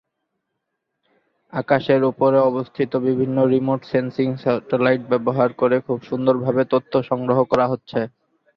আকাশের উপরে অবস্থিত বিভিন্ন রিমোট সেন্সিং স্যাটেলাইট ব্যবহার করে খুব সুন্দরভাবে তথ্য সংগ্রহ করা হচ্ছে।